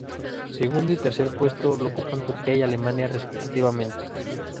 Segundo y tercer puesto lo ocupan Turquía y Alemania, respectivamente.